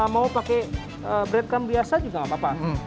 mau pakai bread crumb biasa juga enggak apa apa